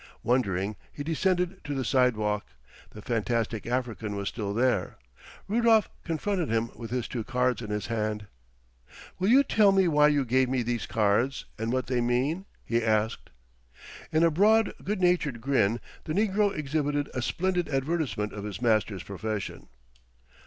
Wondering, he descended to the sidewalk. The fantastic African was still there. Rudolf confronted him with his two cards in his hand. "Will you tell me why you gave me these cards and what they mean?" he asked. In a broad, good natured grin the negro exhibited a splendid advertisement of his master's profession.